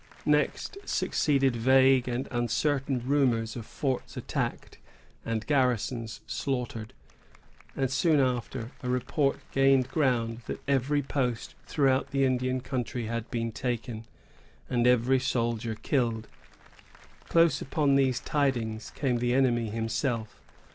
Next succeeded vague and uncertain rumors of forts attacked and garrisons slaughtered; and soon after, a report gained ground that every post throughout the Indian country had been taken, and every soldier killed. Close upon these tidings came the enemy himself.